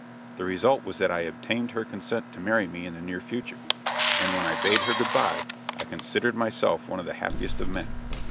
The result was that I obtained her consent to marry me in the near future, and when I bade her good bye I considered myself one of the happiest of men.